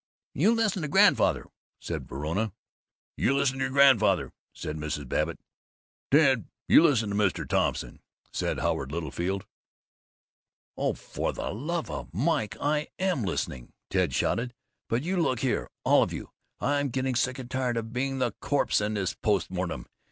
"You listen to Grandfather!" said Verona. "Yes, listen to your Grandfather!" said Mrs. Babbitt. "Ted, you listen to Mr. Thompson!" said Howard Littlefield. "Oh, for the love o' Mike, I am listening!" Ted shouted. "But you look here, all of you! I'm getting sick and tired of being the corpse in this post mortem!